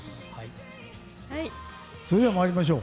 それでは、参りましょう。